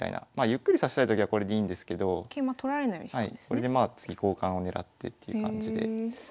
これでまあ次交換を狙ってっていう感じで指す手もあります。